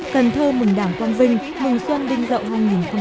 cần thơ mùng đảng quang vinh mùng xuân đinh dậu hai nghìn một mươi bảy